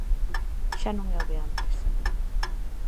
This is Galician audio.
Xa non é o de antes.